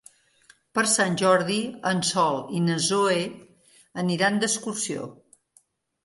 Per Sant Jordi en Sol i na Zoè aniran d'excursió.